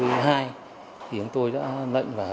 thì chúng tôi đã lệnh và